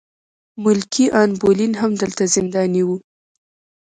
ملکې ان بولین هم دلته زنداني وه.